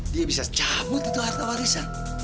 dia bisa cabut itu harta warisan